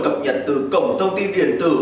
cập nhật từ cổng thông tin điện tử